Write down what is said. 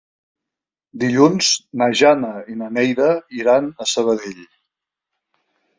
Dilluns na Jana i na Neida iran a Sabadell.